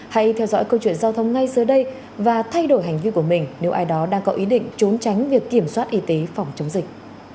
hãy theo dõi câu chuyện giao thông ngay dưới đây và thay đổi hành vi của mình nếu ai đó đang có ý định trốn tránh việc kiểm soát y tế phòng chống dịch